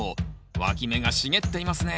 わき芽が茂っていますね